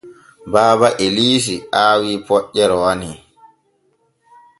Baaba Eliisi aawi poƴƴe rowani.